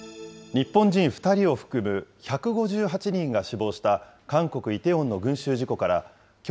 日本人２人を含む１５８人が死亡した韓国・イテウォンの群集